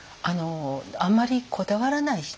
あんまりこだわらない人。